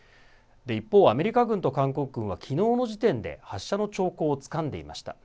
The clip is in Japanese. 一方、アメリカ軍と韓国軍はきのうの時点で発射の兆候をつかんでいました。